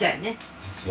実は。